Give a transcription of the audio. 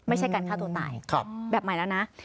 ไม่ใช่การฆ่าตัวตายแบบใหม่แล้วนะ